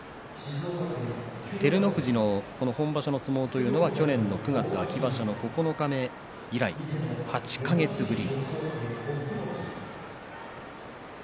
照ノ富士の本場所の相撲を取るのは去年の９月秋場所九日目以来８か月ぶり。